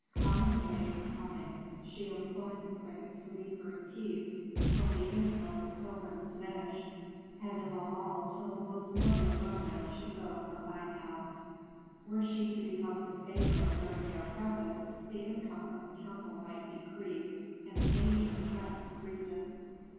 Kama delayed her coming; she implored the prince to leave her in peace till the inflow of pilgrims diminished, and above all till the most noted among them should go from Pi Bast. Were she to become his favorite during their presence, the income of the temple might decrease and danger threaten the priestess.